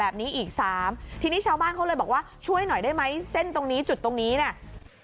แบบนี้อีกสามทีนี้ชาวบ้านเขาเลยบอกว่าช่วยหน่อยได้ไหมเส้นตรงนี้จุดตรงนี้เนี่ย